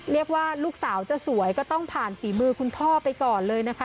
ลูกสาวจะสวยก็ต้องผ่านฝีมือคุณพ่อไปก่อนเลยนะคะ